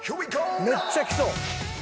めっちゃきそう。